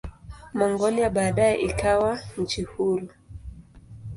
Mongolia baadaye ikawa nchi huru.